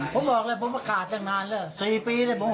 ผมบอกเลยผมก็ขาดตั้งนานแล้วสี่ปีเลยผมอดทนเลย